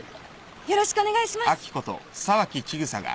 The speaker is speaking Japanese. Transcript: よろしくお願いします！